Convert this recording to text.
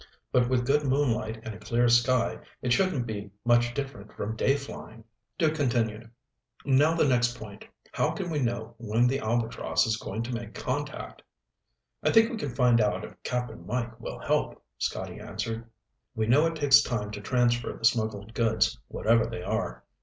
But with good moonlight and a clear sky, it shouldn't be much different from day flying. Duke continued. "Now the next point. How can we know when the Albatross is going to make contact?" "I think we can find out if Cap'n Mike will help," Scotty answered. "We know it takes time to transfer the smuggled goods, whatever they are.